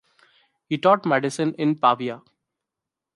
He taught medicine in Pavia.